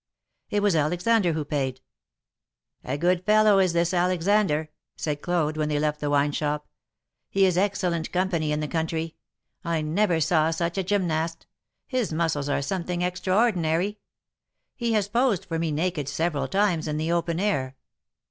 It was Alexander who paid. "A good fellow is this Alexander," said Claude, when they left the wine shop. He is excellent company in the country. I never saw such a gymnast; his muscles are something extraordinary. He has posed for me naked several times in the open air.